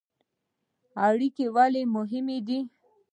اړیکې ولې مهمې دي؟